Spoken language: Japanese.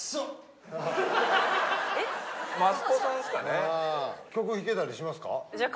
益子さんっすかね曲弾けたりしますか？